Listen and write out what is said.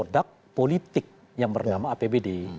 produk politik yang bernama apbd